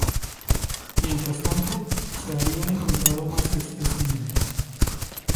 Mientras tanto, se habían encontrado más especímenes.